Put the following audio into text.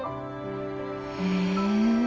へえ。